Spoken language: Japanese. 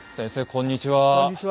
こんにちは。